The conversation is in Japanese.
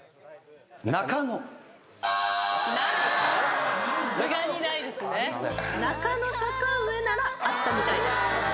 『中野』『中野坂上』ならあったみたいです。